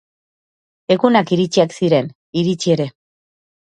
Egunak iritsiak ziren, iritsi ere.